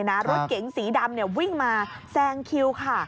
รถเก๋งสีดำวิ่งมาแซงคิวค่ะ